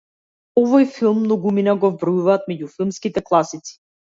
Овој филм многумина го вбројуваат меѓу филмските класици.